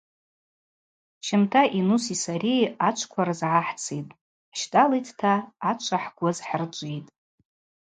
Щымта Инуси сари ачвква рызгӏахӏцитӏ, хӏщтӏалитӏта ачва хӏгвы азхӏырчӏвитӏ.